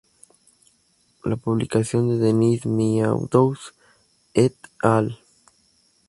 La publicación de Dennis Meadows et al.